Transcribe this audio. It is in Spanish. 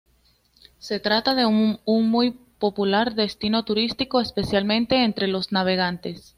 Se trata de un muy popular destino turístico, especialmente entre los navegantes.